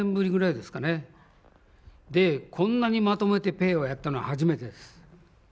で、こんなにまとめてペッ！をやったのは初めてです。